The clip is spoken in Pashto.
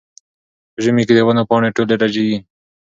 په ژمي کې د ونو پاڼې ټولې رژېږي.